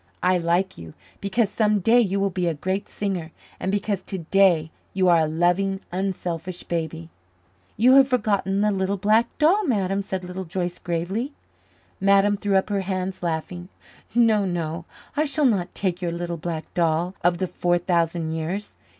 I like you because some day you will be a great singer and because today you are a loving, unselfish baby." "You have forgotten the little black doll, Madame," said Little Joyce gravely. Madame threw up her hands, laughing. "No, no, I shall not take your little black doll of the four thousand years.